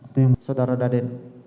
itu yang bapak soedara dadain